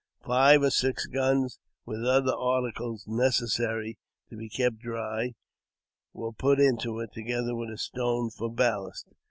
Five or six guns, with other articles necessary to be kept dry, were put into it, together with a stone for ballast.